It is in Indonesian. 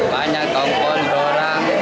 banyak tongkol dorang